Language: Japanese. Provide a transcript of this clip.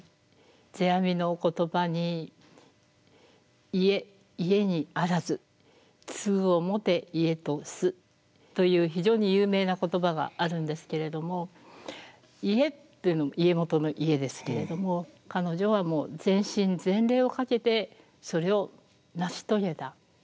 世阿弥の言葉に「家家にあらず継ぐをもて家とす」という非常に有名な言葉があるんですけれども家っていうのは家元の家ですけれども彼女はもう全身全霊をかけてそれを成し遂げた。